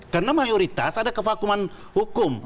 karena mayoritas ada kevakuman hukum